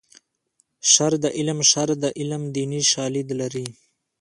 شر د عالم شر د عالم دیني شالید لري